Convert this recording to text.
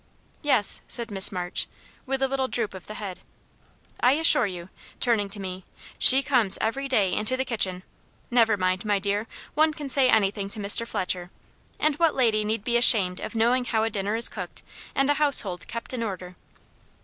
"Yes," said Miss March, with a little droop of the head. "I assure you" turning to me "she comes every day into the kitchen never mind, my dear, one can say anything to Mr. Fletcher. And what lady need be ashamed of knowing how a dinner is cooked and a household kept in order?"